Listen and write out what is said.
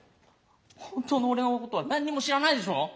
本当の俺のことは何にも知らないでしょ！